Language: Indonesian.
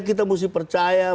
kita mesti percaya